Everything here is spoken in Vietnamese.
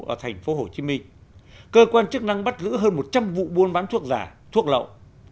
ở thành phố hồ chí minh cơ quan chức năng bắt giữ hơn một trăm linh vụ buôn bán thuốc giả thuốc lậu